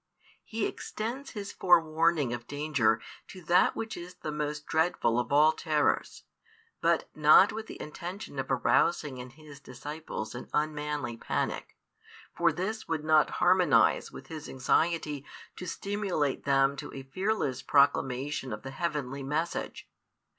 He extends His forewarning of danger to that which is the most dreadful of all terrors, but not with the intention of arousing in His disciples an unmanly panic. For |435 this would not harmonise with His anxiety to stimulate them to a fearless proclamation of the heavenly message.